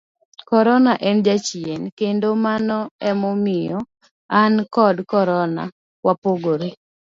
corona en Jachien, kendo mano emomiyo an kod corona wapogore